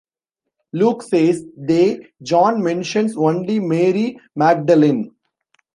Luke says "they," John mentions only Mary Magdalene.